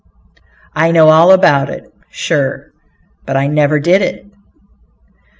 "I know all about it, sure, but I never did it."